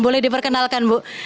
boleh diperkenalkan bu